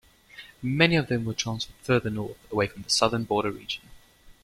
Many of them were transferred further north, away from the southern border region.